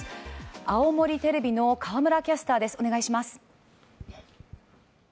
青森テレビの河村キャスターです。